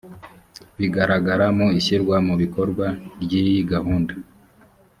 bigaragara mu ishyirwa mu bikorwa ry iyi gahunda